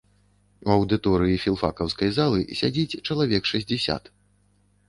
У аўдыторыі філфакаўскай залы сядзіць чалавек шэсцьдзесят.